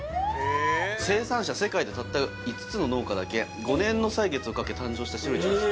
生産者世界でたった５つの農家だけ５年の歳月をかけ誕生した白いイチゴです